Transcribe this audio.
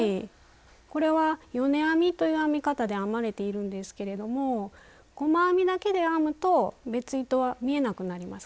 これは「よね編み」という編み方で編まれているんですけれども細編みだけで編むと別糸は見えなくなります。